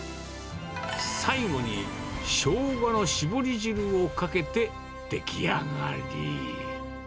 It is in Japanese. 最後に、しょうがの搾り汁をかけて出来上がり。